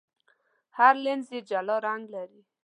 هر لینز یې جلا رنګ لري.